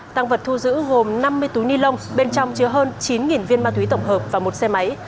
tăng vật thu giữ gồm năm mươi túi ni lông bên trong chứa hơn chín viên ma túy tổng hợp và một xe máy